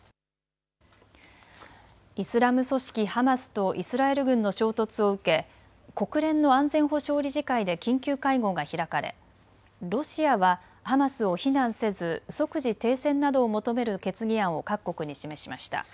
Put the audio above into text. イスラム組織ハマスとイスラエル軍の衝突を受け国連の安全保障理事会で緊急会合が開かれロシアはハマスを非難せず即時停戦などを求める決議案を各国に示しました。